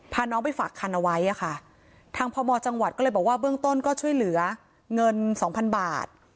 น้องไปฝากคันเอาไว้อะค่ะทางพมจังหวัดก็เลยบอกว่าเบื้องต้นก็ช่วยเหลือเงินสองพันบาท